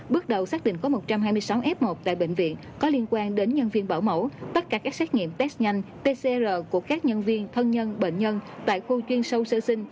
bước đầu xác định có một trăm hai mươi sáu f một tại bệnh viện có liên quan đến nhân viên bảo mẫu tất cả các xét nghiệm test nhanh tcr của các nhân viên thân nhân bệnh nhân tại khu chuyên sâu sơ sinh